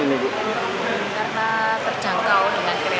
karena terjangkau dengan kereta